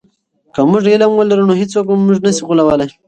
که موږ علم ولرو نو هیڅوک موږ نه سی غولولی.